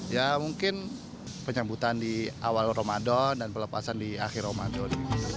ya mungkin penyambutan di awal ramadan dan pelepasan di akhir ramadan